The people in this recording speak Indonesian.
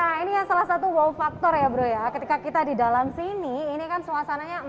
nah ini yang salah satu wow faktor ya bro ya ketika kita di dalam sini ini kan suasananya